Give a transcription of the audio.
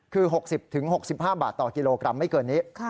คือ๖๐๖๕บาทต่อกิโลกรัมไม่เกินนี้